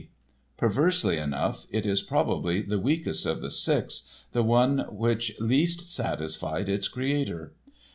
Perversely enough, it is probably the weakest of the six, the one which least satisfied its creator.